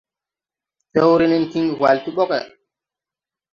Fɛwre nen kiŋgin hwal ti ɓɔgge.